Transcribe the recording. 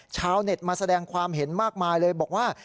ชาวเน็ตมาแสดงความเห็นมากมายเลยบอกว่า